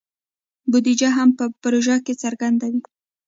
بودیجه هم په پروژه کې څرګنده وي.